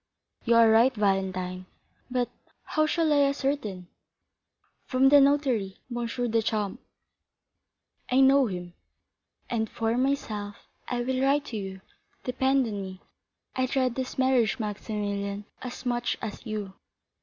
"You are right, Valentine; but how shall I ascertain?" "From the notary, M. Deschamps." "I know him." "And for myself—I will write to you, depend on me. I dread this marriage, Maximilian, as much as you."